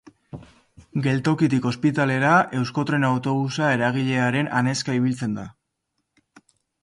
Geltokitik ospitalera Euskotren Autobusa eragilearen anezka ibiltzen da.